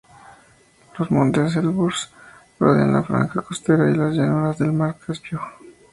Los montes Elburz rodean la franja costera y las llanuras del Mar Caspio.